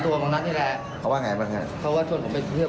แต่ยอมรับว่าช่วงหัวค่ำบางนัดโทรมาหาจริง